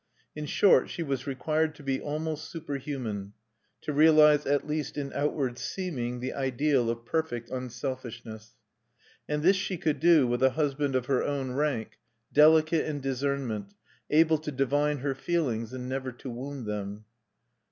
In short, she was required to be almost superhuman, to realize, at least in outward seeming, the ideal of perfect unselfishness. And this she could do with a husband of her own rank, delicate in discernment, able to divine her feelings, and never to wound them.